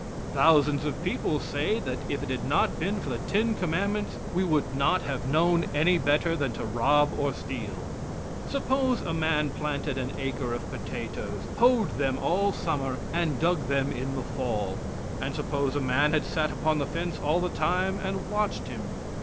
Thousands of people say that if it had not been for the ten commandments we would not have known any better than to rob and steal. Suppose a man planted an acre of potatoes, hoed them all summer, and dug them in the fall; and suppose a man had sat upon the fence all the time and watched him?